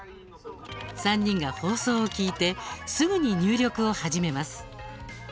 ３人が放送を聞いてすぐに入力を始めます。